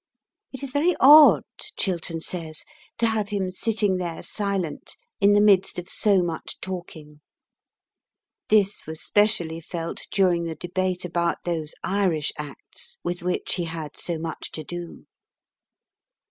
It is very odd, Chiltern says, to have him sitting there silent in the midst of so much talking. This was specially felt during the debate about those Irish Acts with which he had so much to do.